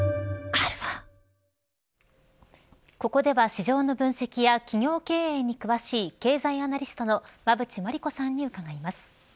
ここでは市場の分析や企業経営に詳しい経済アナリストの馬渕磨理子さんに伺います。